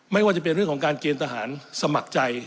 ไม่ว่าจะเป็นเรื่องของการเกณฑ์ทหารสมัครใจ